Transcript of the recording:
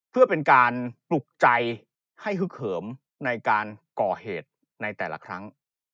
เพื่อเป็นการปลุกใจให้ฮึกเหิมในการก่อเหตุในแต่ละครั้ง